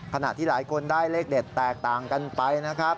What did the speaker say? ขณะที่หลายคนได้เลขเด็ดแตกต่างกันไปนะครับ